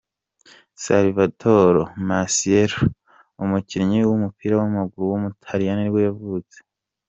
Salvatore Masiello, umukinnyi w’umupira w’amaguru w’umutaliyani nibwo yavutse.